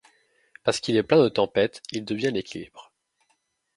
Parce qu’il est plein de tempêtes, il devient l’équilibre.